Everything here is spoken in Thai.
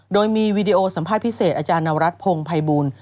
โดยมีวีดีโอสัมภาษณ์พิเศษอาจารย์นวรัฐพงศ์ภัยบูล